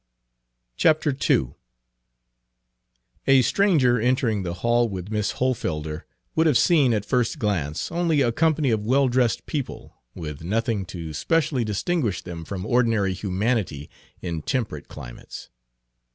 Page 35 II A stranger entering the hall with Miss Hohlfelder would have seen, at first glance, only a company of well dressed people, with nothing to specially distinguish them from ordinary humanity in temperate climates.